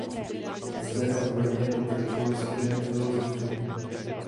Zde a v Brně pokračoval studiem filozofie.